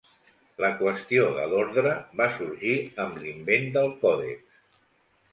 La qüestió de l'ordre va sorgir amb l'invent del còdex.